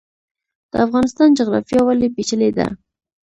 د افغانستان جغرافیا ولې پیچلې ده؟